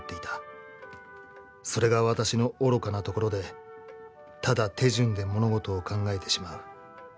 それが私の愚かなところで、ただ手順で物事を考えてしまう。